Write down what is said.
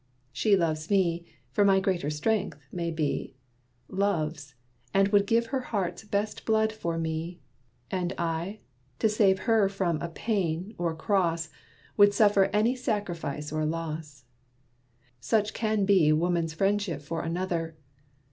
She loves me, for my greater strength, may be; Loves and would give her heart's best blood for me And I, to save her from a pain, or cross, Would suffer any sacrifice or loss. Such can be woman's friendship for another.